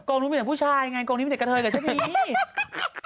กองนั้นมีแต่ผู้ชายไงกรงนี้มันเหมือนเกิดกระเทยดรถนี้